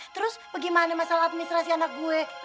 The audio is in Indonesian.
terus bagaimana masalah administrasi anak gue